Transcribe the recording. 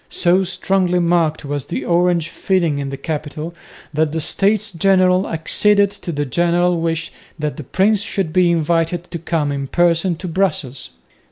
So strongly marked was the Orange feeling in the capital that the States General acceded to the general wish that the prince should be invited to come in person to Brussels.